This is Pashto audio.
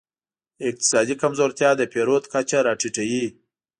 اقتصادي کمزورتیا د پیرود کچه راټیټوي.